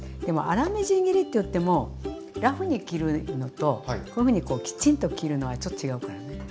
でも粗みじん切りって言ってもラフに切るのとこういうふうにきちんと切るのはちょっと違うからね。